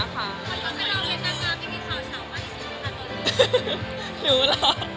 ก็รู้หรอ